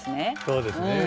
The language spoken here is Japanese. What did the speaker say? そうですね。